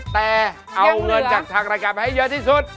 แต่เอาเงินจากทางรายการไปให้เยอะที่สุด